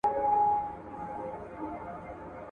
زه د بېوزلو خلګو سره مرسته کوم.